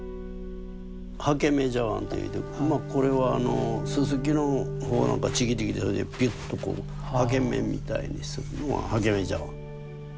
刷毛目茶碗っていうてまあこれはススキの穂なんかちぎってきてピュッとこう刷毛目みたいにするのが刷毛目茶碗。